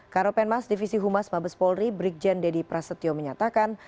karopenmas divisi humas mabes polri brikjen dedi prasetyo menyatakan